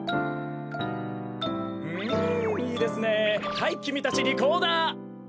はいきみたちリコーダー。